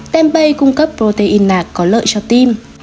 hai tempeh cung cấp protein nạc có lợi cho tim